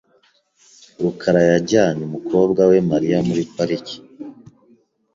rukara yajyanye umukobwa we Mariya muri parike .